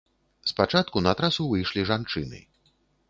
Спачатку на трасу выйшлі жанчыны.